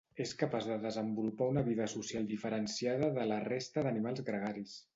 És capaç de desenvolupar una vida social diferenciada de la resta d'animals gregaris.